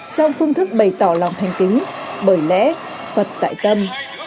trong phương thức bày tỏ lòng thành kính bởi lẽ phật tại tâm